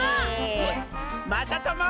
まさとも！